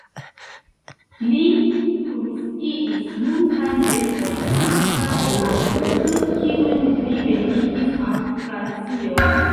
Li komisiis multajn verkojn al italaj artistoj, kiujn li venigis al Francio.